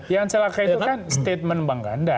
yang celaka itu kan statement bang ganda